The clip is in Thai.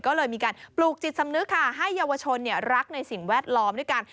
ก็เลยมีการปลูกจิตสำนึกค่ะให้เยาวชนรักในสิ่งแวดล้อมด้วยกัน